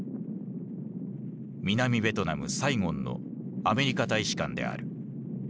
南ベトナムサイゴンのアメリカ大使館である。